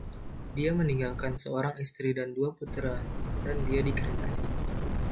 Dia meninggalkan seorang istri dan dua putra, dan dia dikremasi.